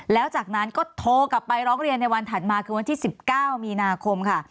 แล้วจากนั้นก็โทรกลับไปร้องเรียนในวันถัดมาคือวันที่๑๙มีนาคมค่ะ